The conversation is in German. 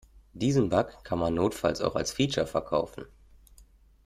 Diesen Bug kann man notfalls auch als Feature verkaufen.